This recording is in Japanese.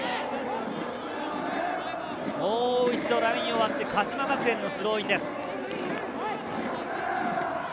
もう一度ラインを割って、鹿島学園のスローインです。